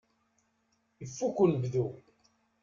Ifukk unebdu.